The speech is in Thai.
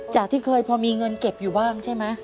จากที่เคยพอมีเงินเก็บอยู่บ้างใช่ไหม